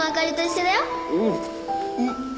うん。